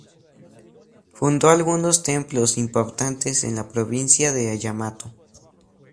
Fundó algunos templos importantes en la provincia de Yamato.